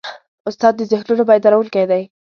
استاد د ذهنونو بیدارونکی دی.